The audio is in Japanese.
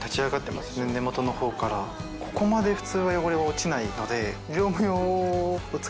ここまで普通は汚れは落ちないので。